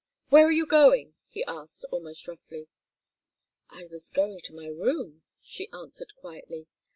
"Where are you going?" he asked, almost roughly. "I was going to my room," she answered, quietly.